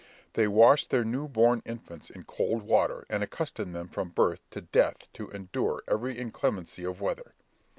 They wash their new born infants in cold water, and accustom them from birth to death to endure every inclemency of weather.